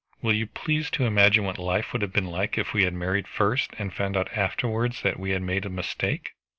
Will you please to imagine what life would have been like if we had married first, and found out afterwards that we had made a mistake."